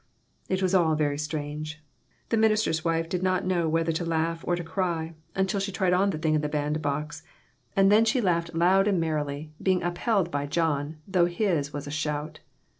It was all very strange. The minister's wife did not know whether to laugh or to cry, until she tried on the thing in the bandbox, and then 88 BONNETS, AND BURNS, AND BURDENS. she laughed loud and merrily, being upheld by John, though his was a shout.